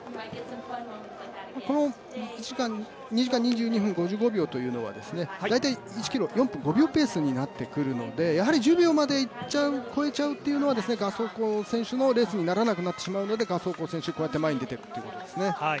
この２時間２２分５５秒というのは、大体１ｋｍ４分５秒ペースになってくるのでやはり１０秒までいっちゃうというのは賀相紅選手のレースにならなくなってしまうので賀相紅選手はこうやって前に出ているということですね。